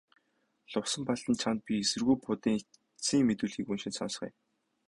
Лувсанбалдан чамд би эсэргүү Будын эцсийн мэдүүлгийг уншиж сонсгоё.